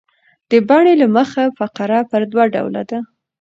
د بڼي له مخه فقره پر دوه ډوله ده.